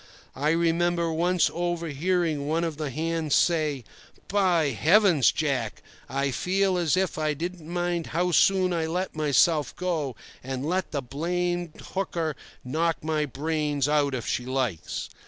I remember once over hearing one of the hands say: "By Heavens, Jack! I feel as if I didn't mind how soon I let myself go, and let the blamed hooker knock my brains out if she likes."